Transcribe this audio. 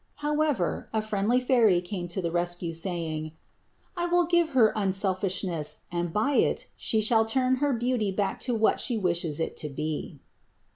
However, a friendly fairy came to the rescue, saying, "I will give her unselfishness, and by it she shall turn her beauty back to what she wishes it to be."